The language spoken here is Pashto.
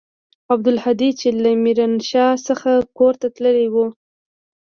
عبدالهادي چې له ميرانشاه څخه کور ته تللى و.